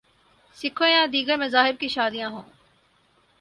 سکھوں یا دیگر مذاہب کی شادیاں ہوں۔